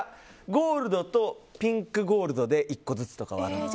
ゴールドとピンクゴールドで１個ずつとかはあります。